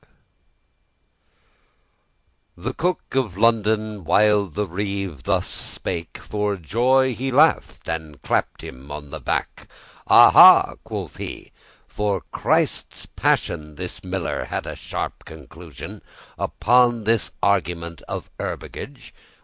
THE Cook of London, while the Reeve thus spake, For joy he laugh'd and clapp'd him on the back: "Aha!" quoth he, "for Christes passion, This Miller had a sharp conclusion, Upon this argument of herbergage.